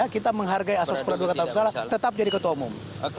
kita menghargai asas peradukan tak bersalah tetap jadi ketua umum